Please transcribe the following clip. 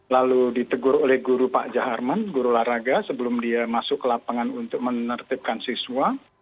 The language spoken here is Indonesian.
lalu ditegur oleh guru pak jaharman guru olahraga sebelum dia masuk ke lapangan untuk menertibkan siswa